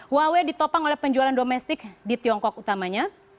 huawei ditopang oleh penjualan domestik di tiongkok utamanya